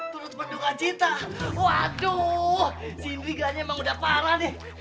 turut penduka cinta waduh sindirganya emang udah parah nih